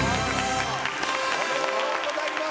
おめでとうございます。